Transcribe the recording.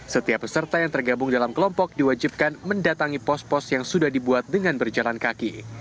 setiap peserta yang tergabung dalam kelompok diwajibkan mendatangi pos pos yang sudah dibuat dengan berjalan kaki